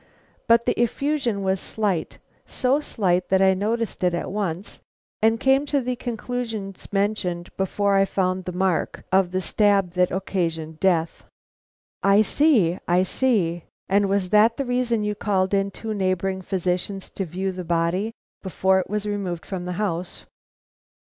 But the effusion was slight, so slight that I noticed it at once, and came to the conclusions mentioned before I found the mark of the stab that occasioned death." "I see, I see! And was that the reason you called in two neighboring physicians to view the body before it was removed from the house?"